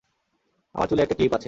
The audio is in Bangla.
আমার চুলে একটা ক্লিপ আছে।